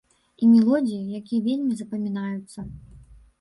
І мелодыі, які вельмі запамінаюцца.